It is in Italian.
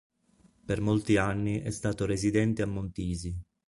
Per molti anni è stato residente a Montisi.